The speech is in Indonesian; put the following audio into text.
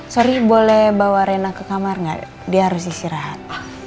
sorry boleh bawa rena ke kamar gak dia harus istirahat